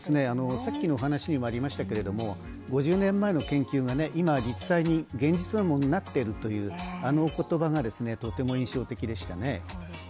さっきの話にもありましたけれども、５０年前の研究が今実際に現実のものになっているというおことばがとても印象的でしたね。